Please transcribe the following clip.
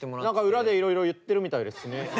何か裏でいろいろ言ってるみたいですね。